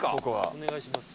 お願いします。